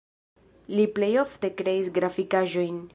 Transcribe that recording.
Li plej ofte kreis grafikaĵojn.